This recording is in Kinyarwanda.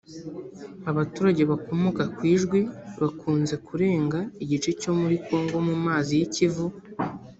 Abaturage bakomoka ku ijwi bakunze kurenga igice cyo muri Congo mu mazi y’Ikivu